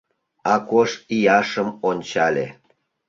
Акош Ийашым ончале.